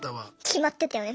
決まってたよね